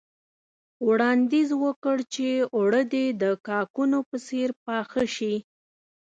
وړانديز وکړ چې اوړه دې د کاکونو په څېر پاخه شي.